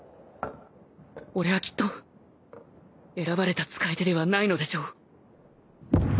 俺はきっと選ばれた使い手ではないのでしょう